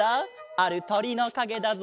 あるとりのかげだぞ。